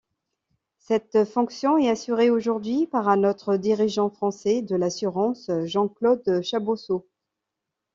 Cette fonction est assurée aujourd'hui par un autre dirigeant français de l'assurance, Jean-Claude Chaboseau.